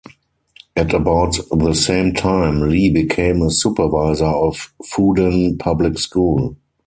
At about the same time, Li became a supervisor of Fudan Public School.